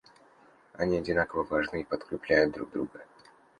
Они одинаково важны и подкрепляют друг друга.